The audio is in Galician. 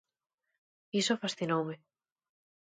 Iso fascinoume.